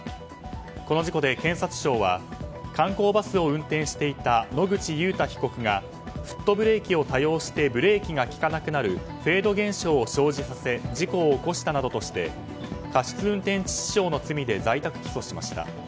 この事故で、検察庁は観光バスを運転していた野口祐太被告がフットブレーキを多用してブレーキが利かなくなるフェード現象を生じさせ事故を起こしたなどとして過失運転致死傷の罪で在宅起訴しました。